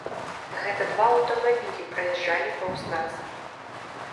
Гэта два аўтамабілі праязджалі паўз нас.